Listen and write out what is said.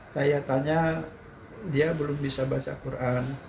kegiatannya dia belum bisa baca al quran